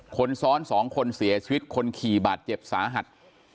คนซ้อน๒คนเสียชีวิตคนขี่บาดเจ็บสาหัส